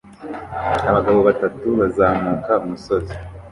Abagabo batatu bazamuka umusozi